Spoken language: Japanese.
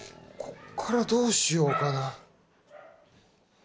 こっからどうしようかな。